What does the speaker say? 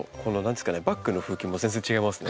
バックの風景も全然違いますね。